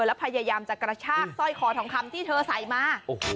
แล้วพยายามจะกระชากสร้อยคอทองคำที่เธอใส่มา